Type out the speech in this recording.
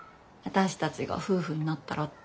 「私たちが夫婦になったら」